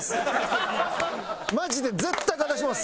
マジで絶対勝たせます。